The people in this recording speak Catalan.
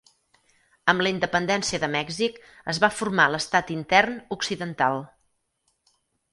Amb la independència de Mèxic, es va formar l'estat intern occidental.